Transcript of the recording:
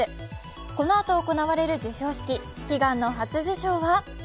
このあと行われる授賞式、悲願の初受賞は？